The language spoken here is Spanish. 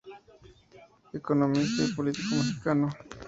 Economista y político mexicano.